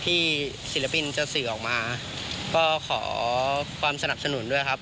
ศิลปินจะสื่อออกมาก็ขอความสนับสนุนด้วยครับ